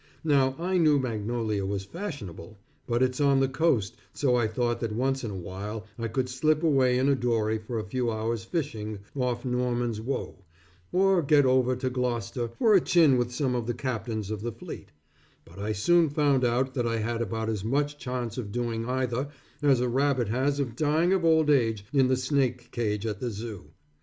Now I knew Magnolia was fashionable; but it's on the coast so I thought that once in a while I could slip away in a dory for a few hours' fishing off Norman's Woe, or get over to Gloucester for a chin with some of the captains of the fleet; but I soon found out that I had about as much chance of doing either as a rabbit has of dying of old age in the snake cage at the zoo.